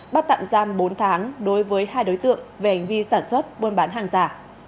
bắt tạm giam bốn tháng đối với hai đối tượng về hành vi sản xuất buôn bán hàng giả